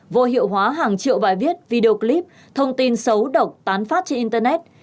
vô hiệu hóa hàng triệu bài viết video clip thông tin xấu độc tán phát trên internet